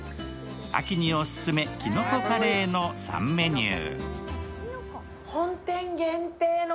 秋におすすめきのこカレーの３メニュー。